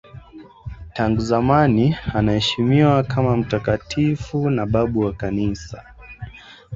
Tangu zamani anaheshimiwa kama mtakatifu na babu wa Kanisa.